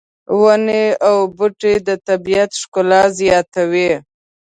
ونې او بوټي د طبیعت ښکلا زیاتوي